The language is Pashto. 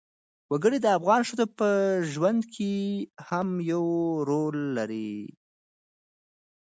وګړي د افغان ښځو په ژوند کې هم یو رول لري.